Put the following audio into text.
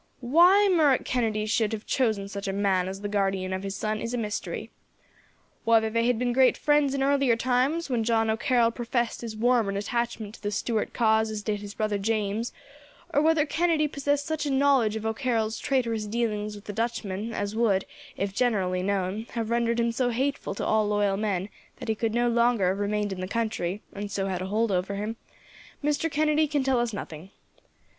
"Why Murroch Kennedy should have chosen such a man as the guardian of his son is a mystery. Whether they had been great friends in earlier times, when John O'Carroll professed as warm an attachment to the Stuart cause as did his brother James, or whether Kennedy possessed such knowledge of O'Carroll's traitorous dealings with the Dutchman as would, if generally known, have rendered him so hateful to all loyal men that he could no longer have remained in the country, and so had a hold over him, Mr. Kennedy can tell us nothing.